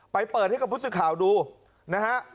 ไปเปิดให้กับผู้สื่อข่าวดูนะฮะ